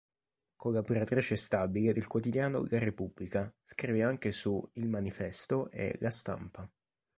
Collaboratrice stabile del quotidiano "la Repubblica", scrive anche su "il manifesto" e "La Stampa".